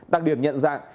đặc điểm nhận dạng